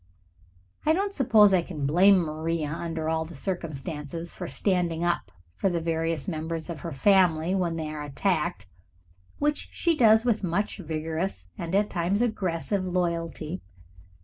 I don't suppose I can blame Maria under all the circumstances for standing up for the various members of her family when they are attacked, which she does with much vigorous and at times aggressive loyalty.